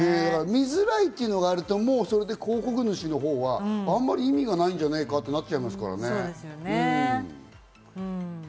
見づらいっていうのがあると広告主のほうはあんまり意味がないんじゃないかってなっちゃいますからね。